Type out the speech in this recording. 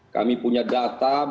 kami punya data